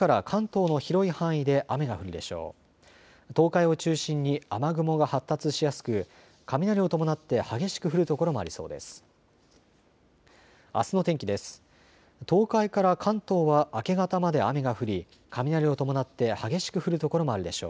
東海を中心に雨雲が発達しやすく雷を伴って激しく降る所もありそうです。